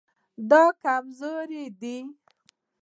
دا کمزوری دی